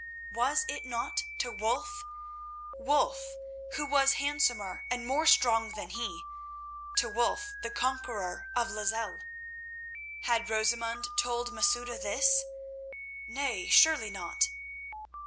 Was it not to Wulf, Wulf who was handsomer and more strong than he, to Wulf, the conqueror of Lozelle? Had Rosamund told Masouda this? Nay, surely not.